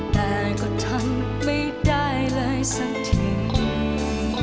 แต่ก็ทำไม่ได้เลยสักทีคง